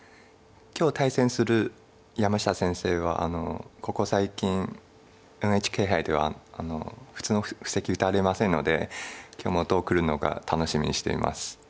今日対戦する山下先生はここ最近ＮＨＫ杯では普通の布石打たれませんので今日もどうくるのか楽しみにしています。